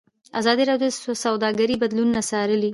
ازادي راډیو د سوداګري بدلونونه څارلي.